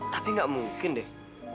tapi gak mungkin deh